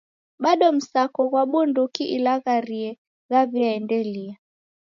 Bado msako ghwa bunduki ilagharie ghwaw'iaendelia.